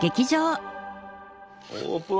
オープン！